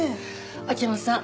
秋山さん